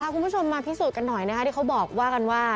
คุณผู้ชมมาพิสูจน์กันหน่อยนะคะที่เขาบอกว่ากันว่า